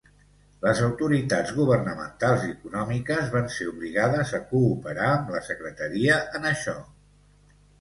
Les autoritats governamentals i econòmiques van ser obligades a cooperar amb la secretaria en això.